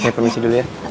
saya permisi dulu ya